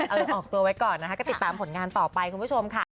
เออออกตัวไว้ก่อนนะคะก็ติดตามผลงานต่อไปคุณผู้ชมค่ะ